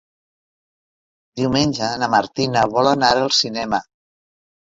Diumenge na Martina vol anar al cinema.